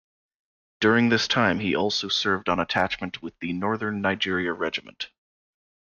During this time he also served on attachment with the Northern Nigeria Regiment.